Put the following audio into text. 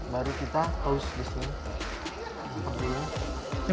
baru kita post di sini